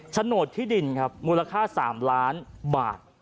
โฉนดที่ดินครับมูลค่า๓ล้านบาท